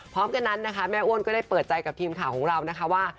พร้อมกันนั้นนะคะแม่อ้วนก็ได้เปิดใจกับทีมข่าวของเรานะคะว่า